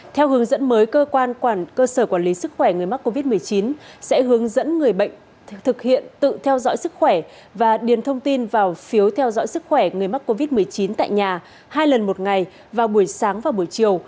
theo hướng dẫn mới cơ sở quản lý sức khỏe người mắc covid một mươi chín sẽ hướng dẫn người bệnh thực hiện tự theo dõi sức khỏe và điền thông tin vào phiếu theo dõi sức khỏe người mắc covid một mươi chín tại nhà hai lần một ngày vào buổi sáng và buổi chiều